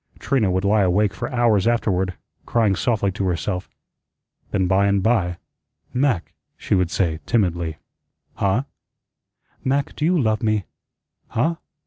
Trina would lie awake for hours afterward, crying softly to herself. Then, by and by, "Mac," she would say timidly. "Huh?" "Mac, do you love me?" "Huh?